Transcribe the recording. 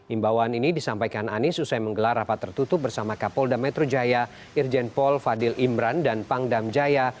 imbauan ini disampaikan anies usai menggelar rapat tertutup bersama kapolda metro jaya irjen paul fadil imran dan pangdam jaya